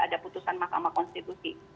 ada putusan mahkamah konstitusi